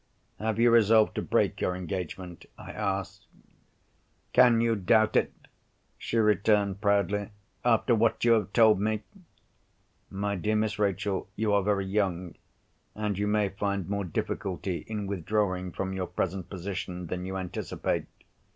"Have you resolved to break your engagement?" I asked. "Can you doubt it?" she returned proudly, "after what you have told me!" "My dear Miss Rachel, you are very young—and you may find more difficulty in withdrawing from your present position than you anticipate.